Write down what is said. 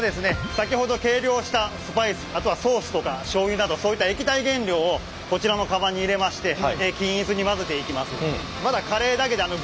先ほど計量したスパイスあとはソースとかしょうゆなどそういった液体原料をこちらの釜に入れまして均一に混ぜていきます。